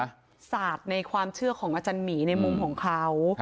ศาสตร์ในความเชื่อของอาจารย์หมีในมุมของเขา